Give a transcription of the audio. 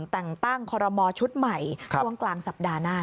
ต่างขอรมชุดใหม่ช่วงกลางสัปดาห์หน้า